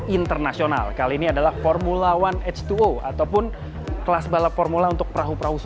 internasional kali ini adalah formula satu h dua ataupun kelas balap formula untuk perahu perahu